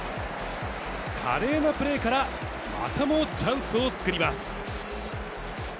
華麗なプレーから、またもチャンスを作ります。